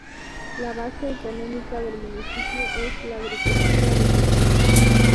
La base económica del municipio es la agricultura de secano.